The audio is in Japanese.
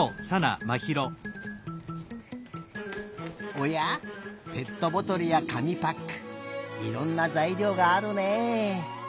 おやペットボトルや紙パックいろんなざいりょうがあるねえ。